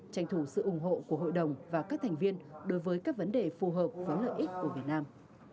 tranh thủ sự ủng hộ của hội đồng và các thành viên đối với các vấn đề phù hợp với lợi ích của việt nam